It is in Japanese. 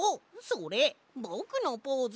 それぼくのポーズ！